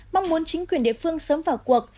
mong muốn chính quyền địa phương sớm vào cuộc